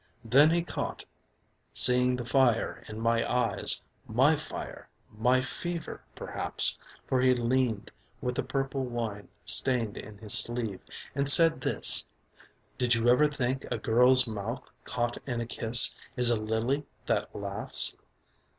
Then he caught, seeing the fire in my eyes, my fire, my fever, perhaps, for he leaned with the purple wine stained in his sleeve, and said this: "Did you ever think a girl's mouth caught in a kiss is a lily that laughs?"